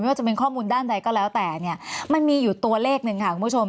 ว่าจะเป็นข้อมูลด้านใดก็แล้วแต่เนี่ยมันมีอยู่ตัวเลขหนึ่งค่ะคุณผู้ชม